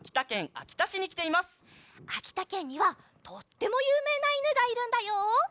あきたけんにはとってもゆうめいないぬがいるんだよ。